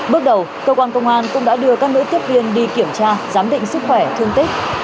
bước đầu cơ quan công an cũng đã đưa các nữ tiếp viên đi kiểm tra giám định sức khỏe thương tích